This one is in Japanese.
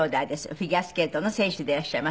フィギュアスケートの選手でいらっしゃいます。